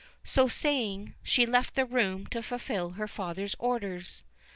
So saying, she left the room, to fulfil her father's orders.